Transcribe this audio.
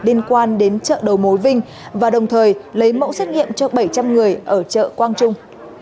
liên quan đến chợ đầu mối vinh và đồng thời lấy mẫu xét nghiệm cho bảy trăm linh người ở chợ quang trung